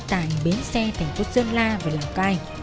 tại bến xe thành phố sơn la và lào cai